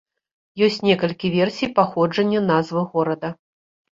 Ёсць некалькі версій паходжання назвы горада.